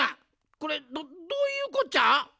これどどういうこっちゃ！